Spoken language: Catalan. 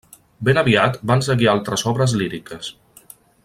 Ben aviat van seguir altres obres líriques.